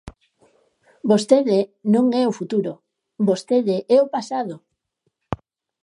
Vostede non é o futuro, vostede é o pasado.